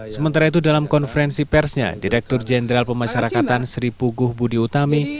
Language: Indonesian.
sementara itu dalam konferensi persnya direktur jenderal pemasyarakatan sri puguh budi utami